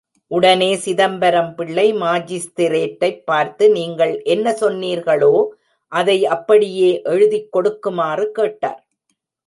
உடனே சிதம்பரம் பிள்ளை மாஜிஸ்திரேட்டைப் பார்த்து, நீங்கள் என்ன சொன்னீர்களோ அதை அப்படியே எழுதிக் கொடுக்குமாறு கேட்டார்.